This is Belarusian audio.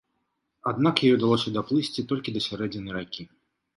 Аднак ёй удалося даплысці толькі да сярэдзіны ракі.